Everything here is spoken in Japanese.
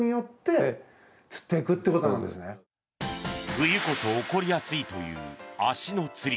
冬こそ起こりやすいという足のつり。